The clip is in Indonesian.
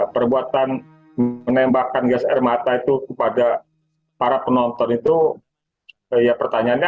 perbuatan menembakkan gas air mata itu kepada para penonton itu ya pertanyaannya